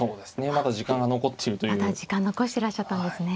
まだ時間残してらっしゃったんですね。